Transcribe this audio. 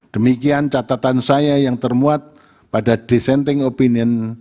demikian catatan saya yang termuat pada dissenting opinion